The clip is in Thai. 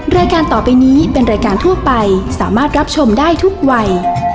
รายการต่อไปนี้เป็นรายการทั่วไปสามารถรับชมได้ทุกวัย